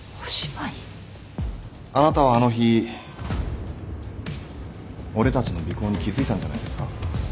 あなたはあの日俺たちの尾行に気付いたんじゃないですか？